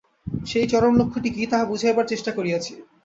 সেই চরম লক্ষ্যটি কি, তাহা বুঝাইবার চেষ্টা করিয়াছি।